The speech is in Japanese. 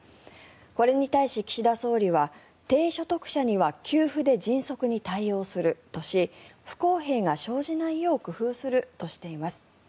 これに対し、岸田総理は低所得者には給付で迅速に対応するとし不公平が生じないよう工夫するとしています。